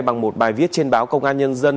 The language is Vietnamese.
bằng một bài viết trên báo công an nhân dân